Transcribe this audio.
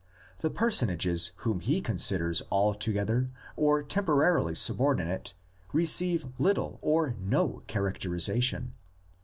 The personages whom he considers altogether or tem porarily subordinate receive little or no characteri sation.